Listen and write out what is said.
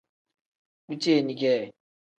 Bu ceeni kee.